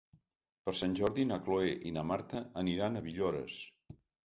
Per Sant Jordi na Cloè i na Marta aniran a Villores.